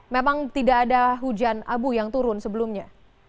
memang tidak ada hujan abu yang turun sebelumnya